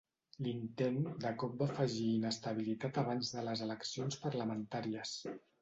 L'intent de cop va afegir inestabilitat abans de les eleccions parlamentàries.